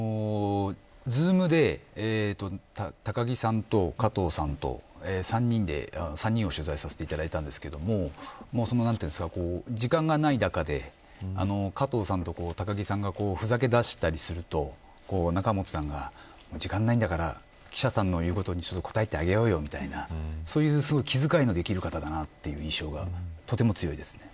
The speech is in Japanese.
Ｚｏｏｍで高木さんと加藤さんと３人を取材させていただいたんですけど時間がない中で加藤さんと高木さんがふざけだしたりすると仲本さんが、時間ないんだから記者さんの言うことに答えてあげようよ、みたいなそういう気づかいのできる方だなという印象がとても強いです。